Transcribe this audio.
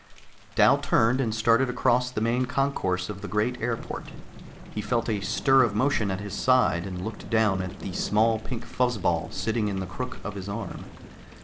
Dal turned and started across the main concourse of the great airport. He felt a stir of motion at his side, and looked down at the small pink fuzz ball sitting in the crook of his arm.